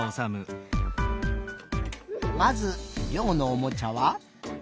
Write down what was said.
まずりょうのおもちゃは？